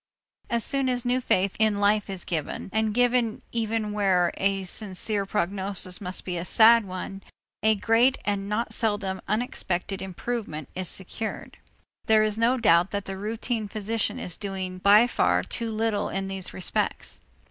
As soon as new faith in life is given, and given even where a sincere prognosis must be a sad one, a great and not seldom unexpected improvement is secured. There is no doubt that the routine physician is doing by far too little in these respects.